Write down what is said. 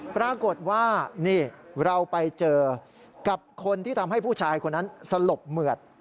ปรากฏว่านี่เราไปเจอกับคนที่ทำให้ผู้ชายคนนั้นสลบเหมือด